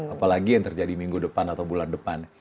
apalagi yang terjadi minggu depan atau bulan depan